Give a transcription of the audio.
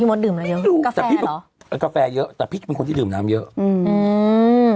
พี่มดดื่มอะไรเยอะกาแฟเหรอกาแฟเยอะแต่พี่มีคนที่ดื่มน้ำเยอะอืม